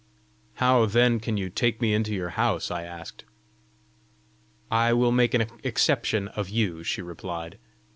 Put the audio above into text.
"How, then, can you take me into your house?" I asked. "I will make an exception of you," she replied.